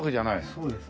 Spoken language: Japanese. そうです。